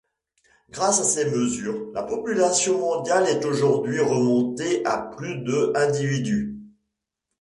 Grâce à ces mesures, la population mondiale est aujourd'hui remontée à plus de individus.